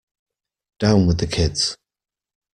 Down with the kids